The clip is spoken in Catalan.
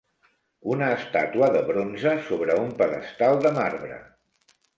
Una estàtua de bronze sobre un pedestal de marbre.